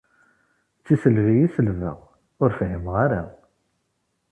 D tisselbi i selbeɣ, ur fhimeɣ ara.